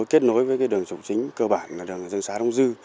kết nối với đường trục chính cơ bản đường dân xá đông dư